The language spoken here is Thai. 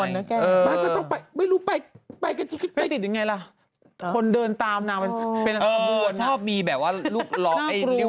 ได้ปิดก่อนไม่รู้ไป